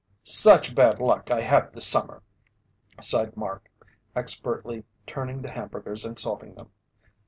"Such bad luck I have this summer," sighed Mark, expertly turning the hamburgers and salting them.